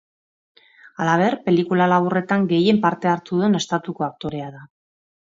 Halaber, pelikula laburretan gehien parte hartu duen estatuko aktorea da.